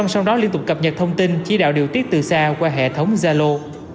họ liên tục cập nhật thông tin chỉ đạo điều tiết từ xa qua hệ thống gia lô